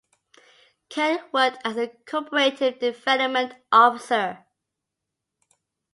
Ken worked as a co-operative development officer.